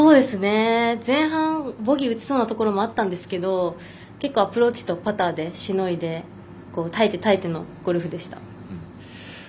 前半はボギー打ちそうなところあったんですけど結構アプローチとパターでしのいで耐えて耐えてのゴルフでした。